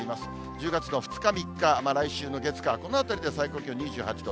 １０月の２日、３日、来週の月、火、このあたりで最高気温２８度。